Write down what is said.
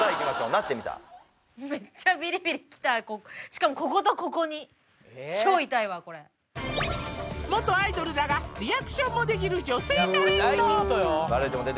ナッテミタしかもこことここに元アイドルだがリアクションもできる女性タレント